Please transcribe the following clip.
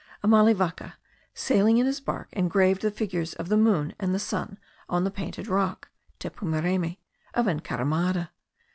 Amalivaca, sailing in his bark, engraved the figures of the moon and the sun on the Painted Rock (Tepumereme) of Encaramada.